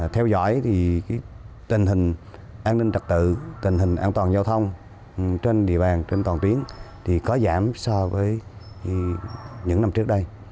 theo dõi tình hình an ninh trật tự tình hình an toàn giao thông trên địa bàn trên toàn tuyến thì có giảm so với những năm trước đây